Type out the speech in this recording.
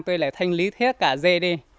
tôi lại thanh lý hết cả dê đi